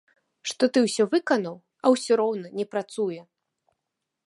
Што ты ўсё выканаў, а ўсё роўна не працуе!